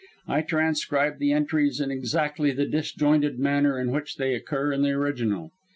I transcribe the entries in exactly the disjointed manner in which they occur in the original.